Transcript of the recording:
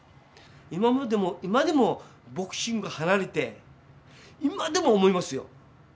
今までも今でもボクシング離れて今でも思いますよ。